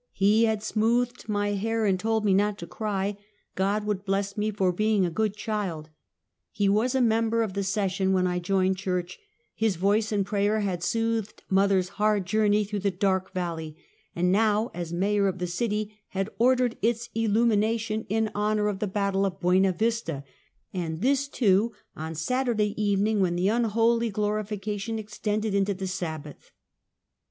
He had smoothed my hair and told me not to cry ; God would bless me for being a good child. He was a member of the session when I joined church; his voice in prayer had soothed mother's hard journey through the dark valley; and now, as mayor of the city, had ordered its illumination in honor of the bat tle of Buena Vista, and this, too, on Saturday even ing, when the unholy glorification extended into the Sabbath.